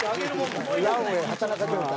ランウェー畠中状態。